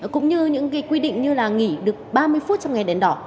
cũng như những quy định như là nghỉ được ba mươi phút trong ngày đèn đỏ